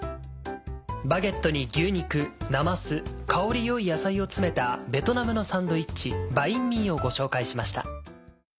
バゲットに牛肉なます香りよい野菜を詰めたベトナムのサンドイッチ「バインミー」をご紹介しました。